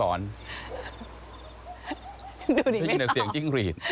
ต้องยินแต่เสียงจิ้งรีด